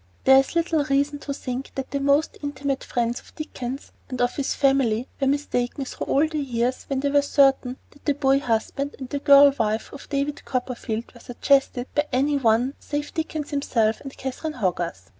There is little reason to think that the most intimate friends of Dickens and of his family were mistaken through all the years when they were certain that the boy husband and the girl wife of David Copperfield were suggested by any one save Dickens himself and Catherine Hogarth.